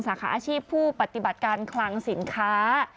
สาขาอาชีพผู้ปฏิบัติการคลังสินค้า